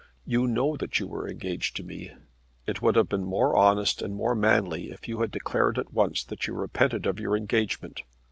You know that you were engaged to me. It would have been more honest and more manly if you had declared at once that you repented of your engagement.